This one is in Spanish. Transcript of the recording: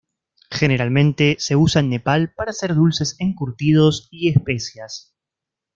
Generalmente se usa en Nepal para hacer dulces encurtidos y especias.